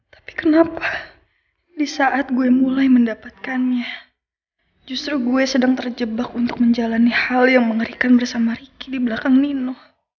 tapi kenapa di saat gue mulai mendapatkannya justru gue sedang terjebak untuk menjalani hal yang mengerikan bersama ricky di belakang nino